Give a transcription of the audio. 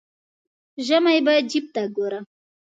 ژمی به جیب ته ګورم.